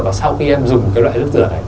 và sau khi em dùng cái loại nước rửa này